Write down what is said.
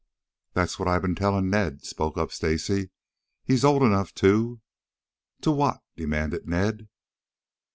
"That's what I've been telling Ned," spoke up Stacy. "He's old enough to " "To what?" demanded Ned.